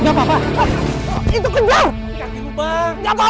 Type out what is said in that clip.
gak apa apa udah kejar kejar